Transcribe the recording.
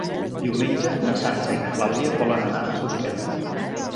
Diumenge na Sança i na Clàudia volen anar a Susqueda.